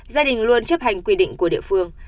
gia đình luôn chấp hành quy định của địa phương